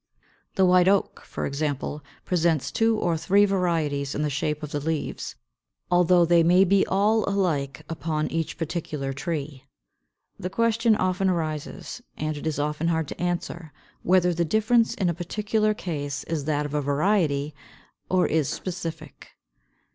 = The White Oak, for example, presents two or three varieties in the shape of the leaves, although they may be all alike upon each particular tree. The question often arises, and it is often hard to answer, whether the difference in a particular case is that of a variety, or is specific.